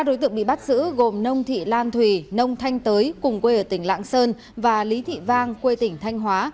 ba đối tượng bị bắt giữ gồm nông thị lan thùy nông thanh tới cùng quê ở tỉnh lạng sơn và lý thị vang quê tỉnh thanh hóa